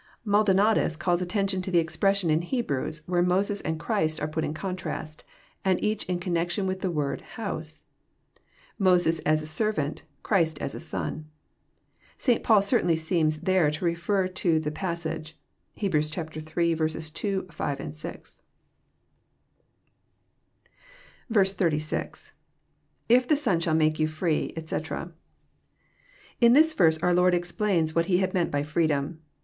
MaldoBatas calls attention to the expression in Hebrews, where Moses and Christ are pat in contrast, and each in con nection with the word *<hoase," Moses as a servant, Christ as a Son. St. Fanl certainly seems there to refer to this pas sage. (Heb. iiL 2, 5, 6.) 86. — [If the Son shall make youflree, etc.'] In this verse onr Lord explains what He had meant by freedom.